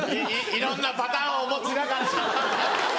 いろんなパターンをお持ちだから。